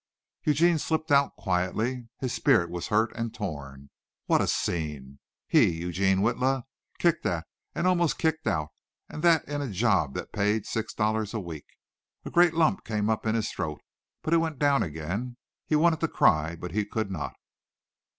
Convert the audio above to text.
Eugene slipped out quietly. His spirit was hurt and torn. What a scene! He, Eugene Witla, kicked at, and almost kicked out, and that in a job that paid six dollars a week. A great lump came up in his throat, but it went down again. He wanted to cry but he could not.